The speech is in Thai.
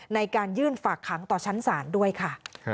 ในการยื่นฝากขังต่อชั้นศาลด้วยค่ะ